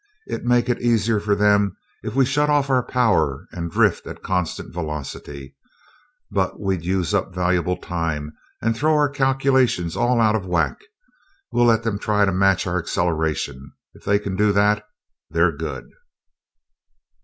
It'd make it easier for them if we'd shut off our power and drift at constant velocity, but we'd use up valuable time and throw our calculations all out of whack. We'll let them try to match our acceleration If they can do that, they're good."